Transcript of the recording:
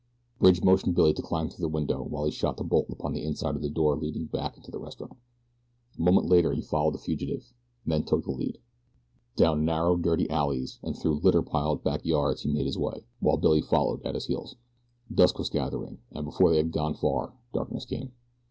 Bridge motioned Billy to climb through the window while he shot the bolt upon the inside of the door leading back into the restaurant. A moment later he followed the fugitive, and then took the lead. Down narrow, dirty alleys, and through litter piled back yards he made his way, while Billy followed at his heels. Dusk was gathering, and before they had gone far darkness came.